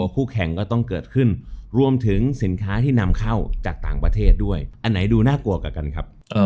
คู่แข่งก็ต้องเกิดขึ้นรวมถึงสินค้าที่นำเข้าจากต่างประเทศด้วยอันไหนดูน่ากลัวกว่ากันครับ